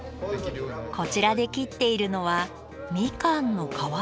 こちらで切っているのはみかんの皮？